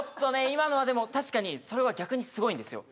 今のはでも確かにそれは逆にすごいんですよ